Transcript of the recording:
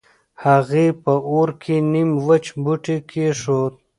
هغې په اور کې نيم وچ بوټی کېښود.